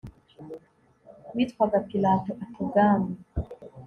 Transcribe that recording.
witwaga pilato ati ubwami